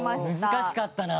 難しかったな。